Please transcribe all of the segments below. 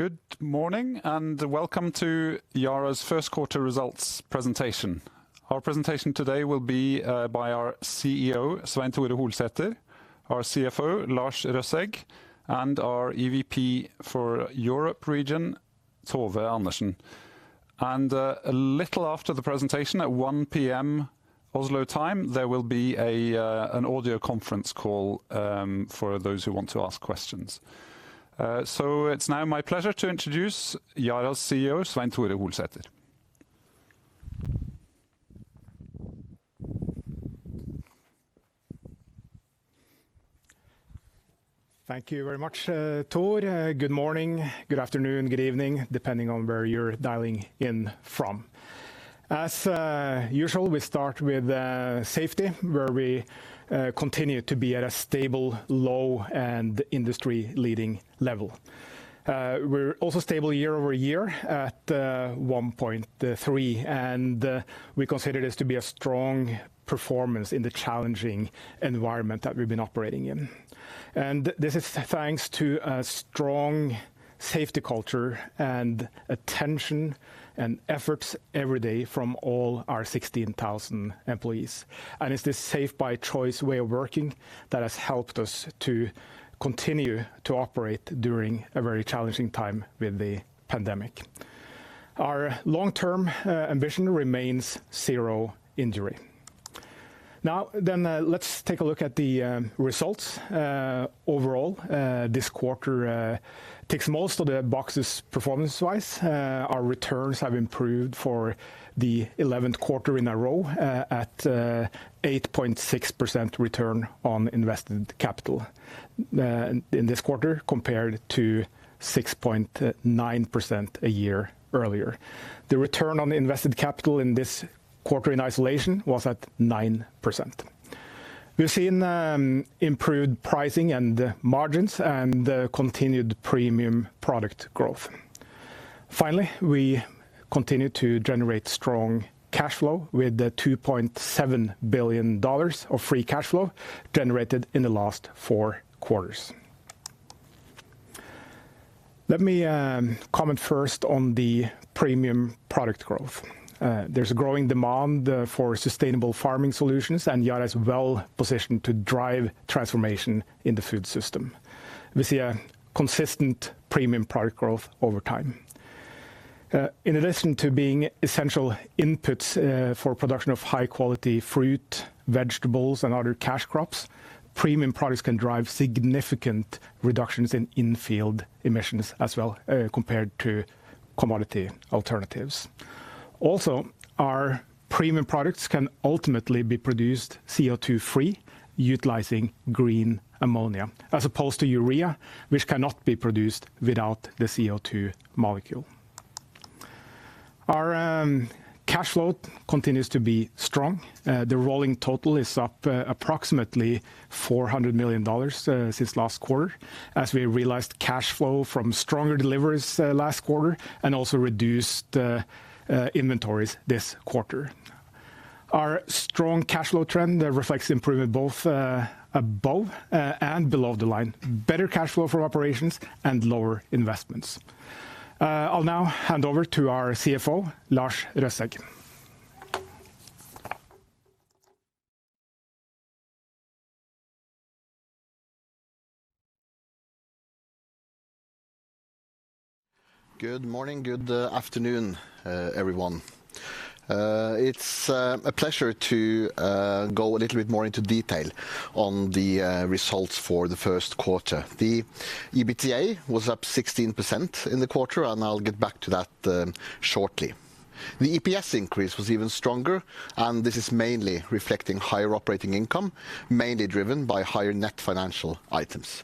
Good morning, welcome to Yara's First Quarter Results Presentation. Our presentation today will be by our CEO, Svein Tore Holsether, our CFO, Lars Røsæg, and our EVP for Europe region, Tove Andersen. A little after the presentation at 1:00 P.M. Oslo Time, there will be an audio conference call for those who want to ask questions. It's now my pleasure to introduce Yara's CEO, Svein Tore Holsether. Thank you very much, Thor. Good morning, good afternoon, good evening, depending on where you're dialing in from. As usual, we start with safety, where we continue to be at a stable, low, and industry-leading level. We're also stable year-over-year at 1.3. We consider this to be a strong performance in the challenging environment that we've been operating in. This is thanks to a strong safety culture and attention and efforts every day from all our 16,000 employees. It's this safe-by-choice way of working that has helped us to continue to operate during a very challenging time with the pandemic. Our long-term ambition remains zero injury. Let's take a look at the results. Overall, this quarter ticks most of the boxes performance-wise. Our returns have improved for the 11th quarter in a row at 8.6% return on invested capital in this quarter, compared to 6.9% a year earlier. The return on invested capital in this quarter in isolation was at 9%. We've seen improved pricing and margins and continued premium product growth. Finally, we continue to generate strong cash flow with the $2.7 billion of free cash flow generated in the last four quarters. Let me comment first on the premium product growth. There's a growing demand for sustainable farming solutions, and Yara is well positioned to drive transformation in the food system. We see a consistent premium product growth over time. In addition to being essential inputs for production of high-quality fruit, vegetables, and other cash crops, premium products can drive significant reductions in in-field emissions as well, compared to commodity alternatives. Our premium products can ultimately be produced CO2-free utilizing green ammonia, as opposed to urea, which cannot be produced without the CO2 molecule. Our cash flow continues to be strong. The rolling total is up approximately $400 million since last quarter, as we realized cash flow from stronger deliveries last quarter and also reduced inventories this quarter. Our strong cash flow trend reflects improvement both above and below the line, better cash flow for operations, and lower investments. I'll now hand over to our CFO, Lars Røsæg. Good morning, good afternoon, everyone. It's a pleasure to go a little bit more into detail on the results for the first quarter. The EBITDA was up 16% in the quarter, I'll get back to that shortly. The EPS increase was even stronger, this is mainly reflecting higher operating income, mainly driven by higher net financial items.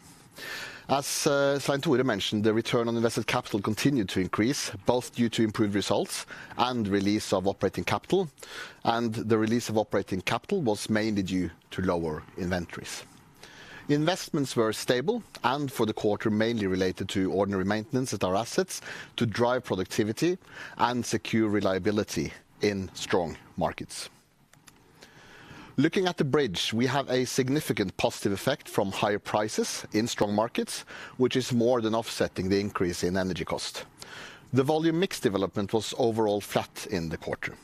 As Svein Tore mentioned, the return on invested capital continued to increase, both due to improved results and release of operating capital. The release of operating capital was mainly due to lower inventories. Investments were stable and for the quarter, mainly related to ordinary maintenance at our assets to drive productivity and secure reliability in strong markets. Looking at the bridge, we have a significant positive effect from higher prices in strong markets, which is more than offsetting the increase in energy cost. The volume mix development was overall flat in the quarter.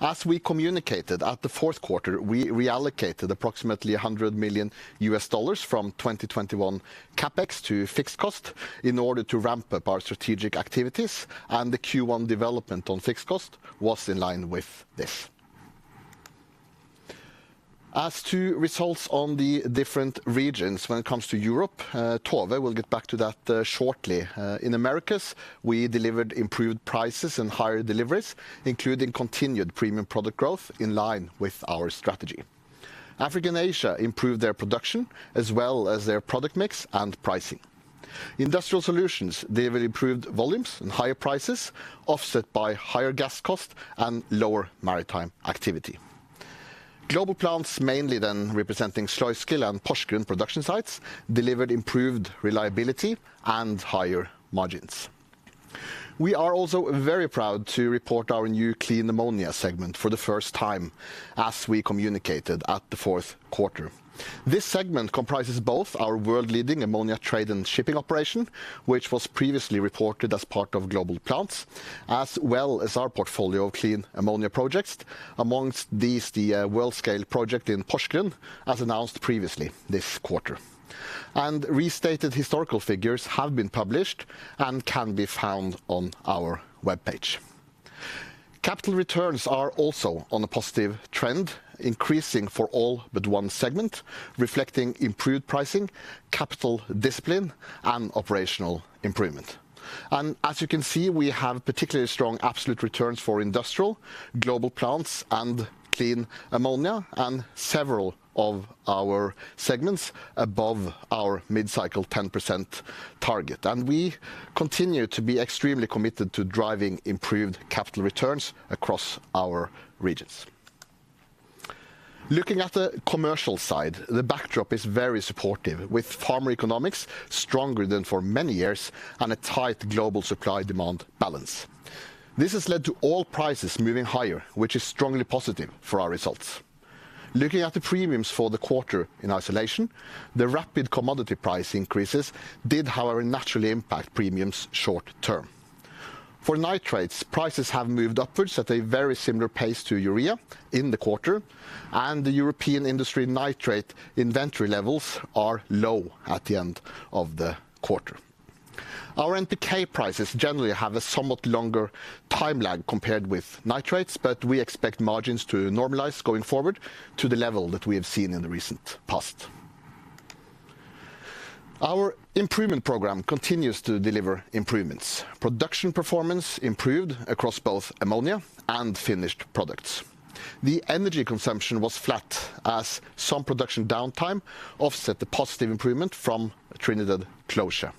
As we communicated at the fourth quarter, we reallocated approximately $100 million from 2021 CapEx to fixed cost in order to ramp up our strategic activities and the Q1 development on fixed cost was in line with this. As to results on the different regions, when it comes to Europe, Tove will get back to that shortly. In Americas, we delivered improved prices and higher deliveries, including continued premium product growth in line with our strategy. Africa and Asia improved their production as well as their product mix and pricing. Industrial Solutions delivered improved volumes and higher prices, offset by higher gas cost and lower maritime activity. global plants, mainly then representing Sluiskil and Porsgrunn production sites, delivered improved reliability and higher margins. We are also very proud to report our new clean ammonia segment for the first time, as we communicated at the fourth quarter. This segment comprises both our world-leading ammonia trade and shipping operation, which was previously reported as part of global plants, as well as our portfolio of clean ammonia projects. Amongst these, the world scale project in Porsgrunn, as announced previously this quarter. Restated historical figures have been published and can be found on our webpage. Capital returns are also on a positive trend, increasing for all but one segment, reflecting improved pricing, capital discipline, and operational improvement. As you can see, we have particularly strong absolute returns for Industrial, global plants, and clean ammonia, and several of our segments above our mid-cycle 10% target. We continue to be extremely committed to driving improved capital returns across our regions. Looking at the commercial side, the backdrop is very supportive, with farm economics stronger than for many years and a tight global supply/demand balance. This has led to all prices moving higher, which is strongly positive for our results. Looking at the premiums for the quarter in isolation, the rapid commodity price increases did, however, naturally impact premiums short term. For nitrates, prices have moved upwards at a very similar pace to urea in the quarter, and the European industry nitrate inventory levels are low at the end of the quarter. Our NPK prices generally have a somewhat longer timeline compared with nitrates, but we expect margins to normalize going forward to the level that we have seen in the recent past. Our improvement program continues to deliver improvements. Production performance improved across both ammonia and finished products. The energy consumption was flat as some production downtime offset the positive improvement from Trinidad closure.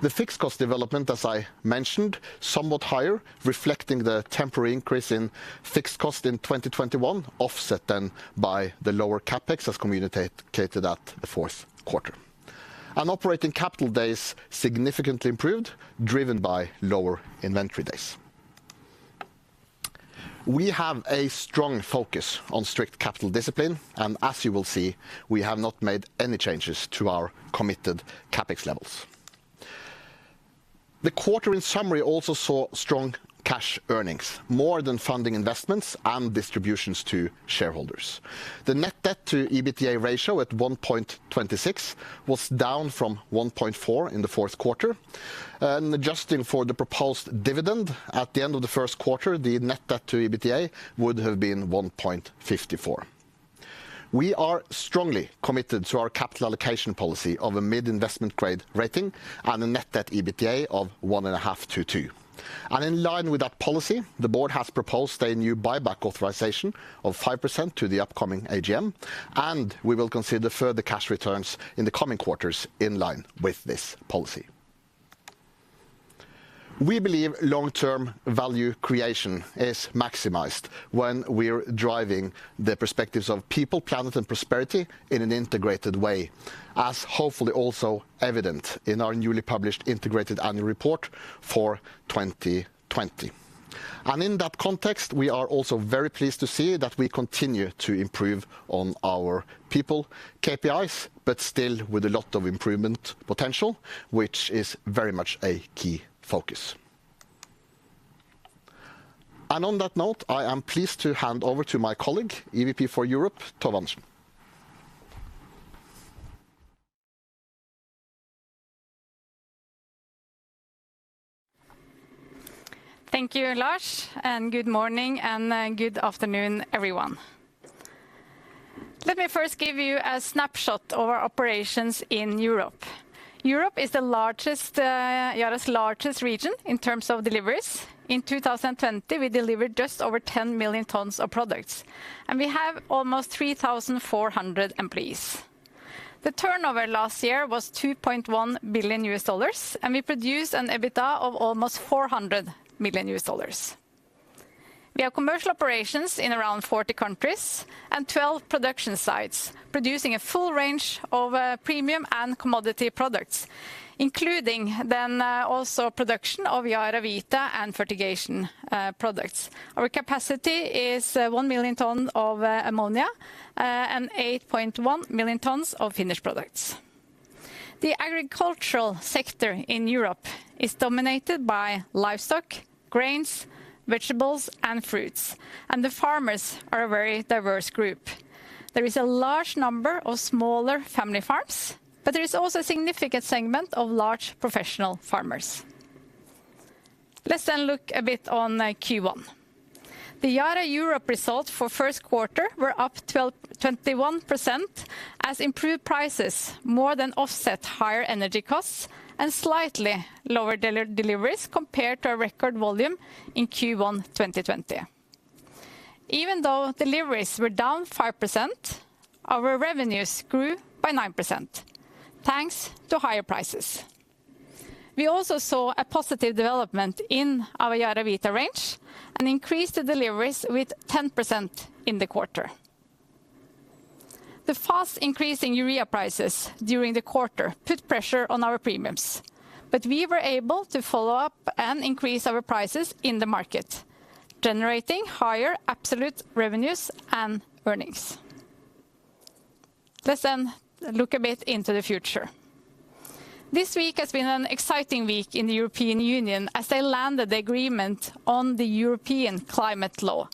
The fixed cost development, as I mentioned, somewhat higher, reflecting the temporary increase in fixed cost in 2021, offset then by the lower CapEx as communicated at the fourth quarter. Operating capital days significantly improved, driven by lower inventory days. We have a strong focus on strict capital discipline, and as you will see, we have not made any changes to our committed CapEx levels. The quarter, in summary, also saw strong cash earnings, more than funding investments and distributions to shareholders. The net debt to EBITDA ratio at 1.26 was down from 1.4 in the fourth quarter. Adjusting for the proposed dividend at the end of the first quarter, the net debt to EBITDA would have been 1.54. In line with that policy, the board has proposed a new buyback authorization of 5% to the upcoming AGM, and we will consider further cash returns in the coming quarters in line with this policy. We believe long-term value creation is maximized when we are driving the perspectives of people, planet, and prosperity in an integrated way, as hopefully also evident in our newly published integrated annual report for 2020. In that context, we are also very pleased to see that we continue to improve on our people KPIs, still with a lot of improvement potential, which is very much a key focus. On that note, I am pleased to hand over to my colleague, EVP for Europe, Tove Andersen. Thank you, Lars, and good morning and good afternoon, everyone. Let me first give you a snapshot of our operations in Europe. Europe is Yara's largest region in terms of deliveries. In 2020, we delivered just over 10 million tons of products, and we have almost 3,400 employees. The turnover last year was $2.1 billion, and we produced an EBITDA of almost $400 million. We have commercial operations in around 40 countries and 12 production sites, producing a full range of premium and commodity products, including then also production of YaraVita and fertigation products. Our capacity is one million tons of ammonia and 8.1 million tons of finished products. The agricultural sector in Europe is dominated by livestock, grains, vegetables, and fruits, and the farmers are a very diverse group. There is a large number of smaller family farms, but there is also a significant segment of large professional farmers. Let's look a bit on Q1. The Yara Europe results for first quarter were up 21% as improved prices more than offset higher energy costs and slightly lower deliveries compared to our record volume in Q1 2020. Even though deliveries were down 5%, our revenues grew by 9% thanks to higher prices. We also saw a positive development in our YaraVita range and increased the deliveries with 10% in the quarter. The fast increase in urea prices during the quarter put pressure on our premiums. We were able to follow up and increase our prices in the market, generating higher absolute revenues and earnings. Let's look a bit into the future. This week has been an exciting week in the European Union as they landed the agreement on the European Climate Law,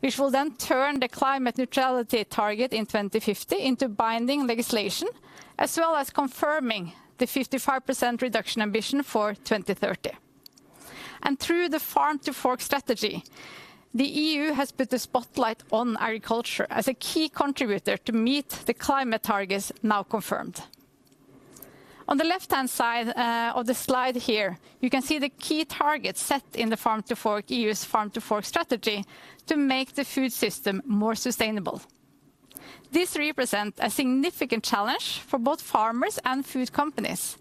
which will then turn the climate neutrality target in 2050 into binding legislation, as well as confirming the 55% reduction ambition for 2030. Through the Farm to Fork strategy, the EU has put the spotlight on agriculture as a key contributor to meet the climate targets now confirmed. On the left-hand side of the slide here, you can see the key targets set in the EU's Farm to Fork strategy to make the food system more sustainable. This represents a significant challenge for both farmers and food companies,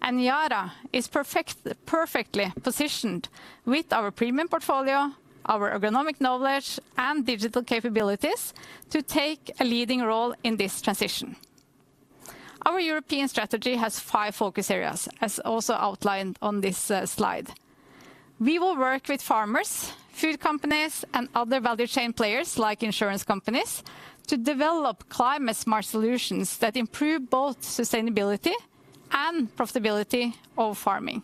Yara is perfectly positioned with our premium portfolio, our agronomic knowledge, and digital capabilities to take a leading role in this transition. Our European strategy has five focus areas, as also outlined on this slide. We will work with farmers, food companies, and other value chain players, like insurance companies, to develop climate-smart solutions that improve both sustainability and profitability of farming.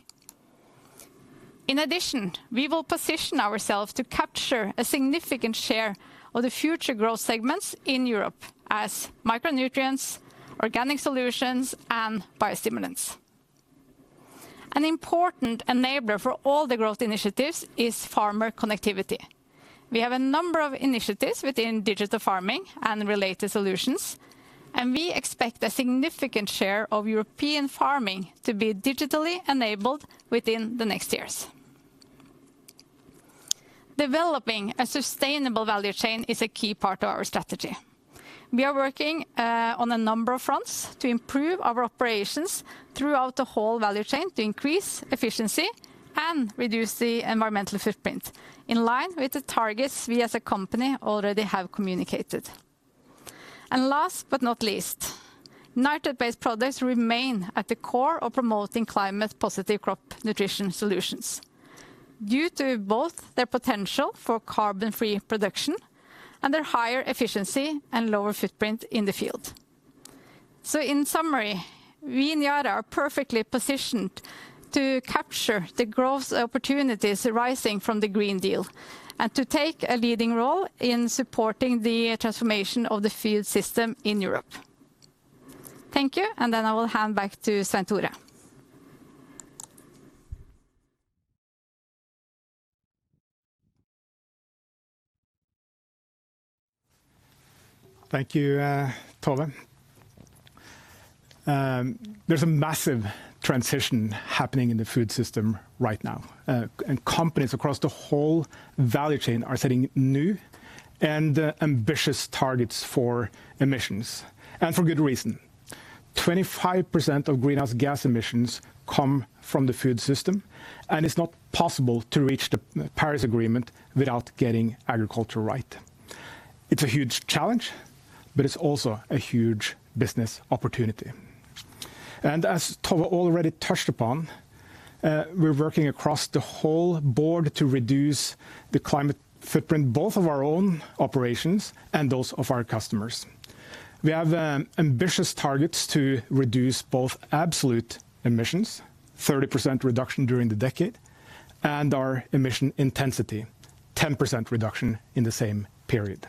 In addition, we will position ourselves to capture a significant share of the future growth segments in Europe as micronutrients, organic solutions, and biostimulants. An important enabler for all the growth initiatives is farmer connectivity. We have a number of initiatives within digital farming and related solutions, and we expect a significant share of European farming to be digitally enabled within the next years. Developing a sustainable value chain is a key part of our strategy. We are working on a number of fronts to improve our operations throughout the whole value chain to increase efficiency and reduce the environmental footprint in line with the targets we as a company already have communicated. Last but not least, nitrate-based products remain at the core of promoting climate positive crop nutrition solutions due to both their potential for carbon-free production and their higher efficiency and lower footprint in the field. In summary, we in Yara are perfectly positioned to capture the growth opportunities arising from the Green Deal and to take a leading role in supporting the transformation of the food system in Europe. Thank you. I will hand back to Svein Tore. Thank you, Tove. There's a massive transition happening in the food system right now. Companies across the whole value chain are setting new and ambitious targets for emissions, and for good reason. 25% of greenhouse gas emissions come from the food system, and it's not possible to reach the Paris Agreement without getting agriculture right. It's a huge challenge, but it's also a huge business opportunity. As Tove already touched upon, we're working across the whole board to reduce the climate footprint, both of our own operations and those of our customers. We have ambitious targets to reduce both absolute emissions, 30% reduction during the decade, and our emission intensity, 10% reduction in the same period.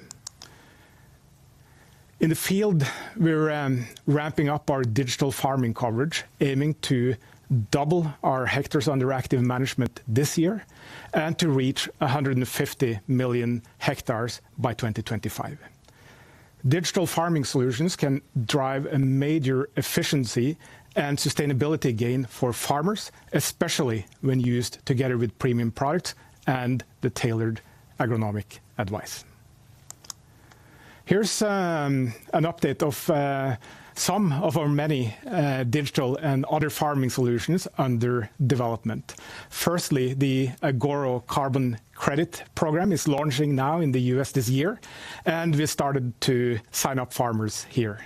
In the field, we're ramping up our digital farming coverage, aiming to double our hectares under active management this year and to reach 150 million hectares by 2025. Digital farming solutions can drive a major efficiency and sustainability gain for farmers, especially when used together with premium products and the tailored agronomic advice. Here's an update of some of our many digital and other farming solutions under development. Firstly, the Agoro carbon credit program is launching now in the U.S. this year. We started to sign up farmers here.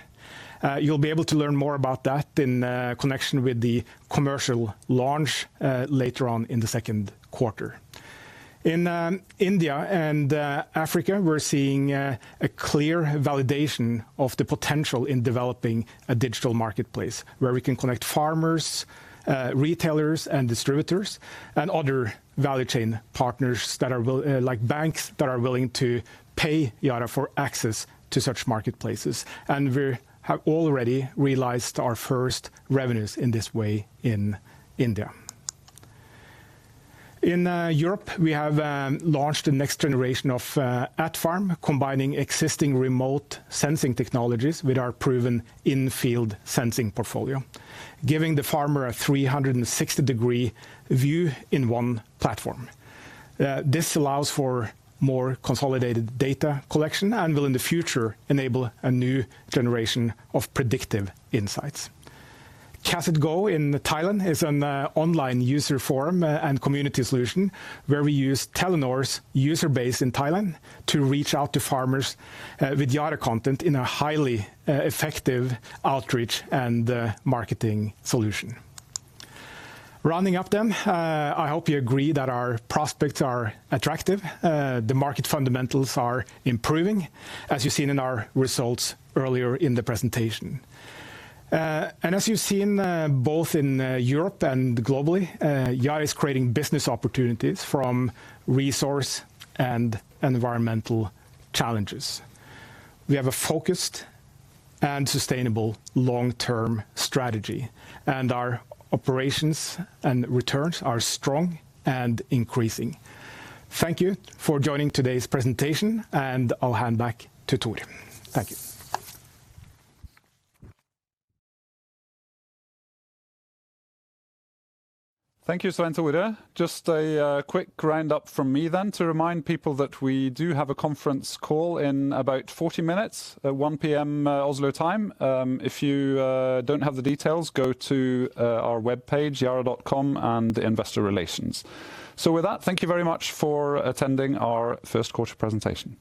You'll be able to learn more about that in connection with the commercial launch later on in the second quarter. In India and Africa, we're seeing a clear validation of the potential in developing a digital marketplace where we can connect farmers, retailers, and distributors and other value chain partners like banks that are willing to pay Yara for access to such marketplaces. We have already realized our first revenues in this way in India. In Europe, we have launched the next generation of Atfarm, combining existing remote sensing technologies with our proven in-field sensing portfolio, giving the farmer a 360-degree view in one platform. This allows for more consolidated data collection and will, in the future, enable a new generation of predictive insights. Kaset Go in Thailand is an online user forum and community solution where we use Telenor's user base in Thailand to reach out to farmers with Yara content in a highly effective outreach and marketing solution. Rounding up then, I hope you agree that our prospects are attractive, the market fundamentals are improving, as you've seen in our results earlier in the presentation. As you've seen both in Europe and globally, Yara is creating business opportunities from resource and environmental challenges. We have a focused and sustainable long-term strategy, and our operations and returns are strong and increasing. Thank you for joining today's presentation. I'll hand back to Thor. Thank you. Thank you, Svein Tore. Just a quick roundup from me then to remind people that we do have a conference call in about 40 minutes at 1:00 P.M. Oslo Time. If you don't have the details, go to our webpage, yara.com, and Investor Relations. With that, thank you very much for attending our first quarter presentation.